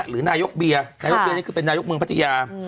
หรือนายกเบียก็เป็นนายกเมืองปฏิญาณ